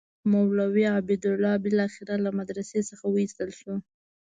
مولوي عبیدالله بالاخره له مدرسې څخه وایستل شو.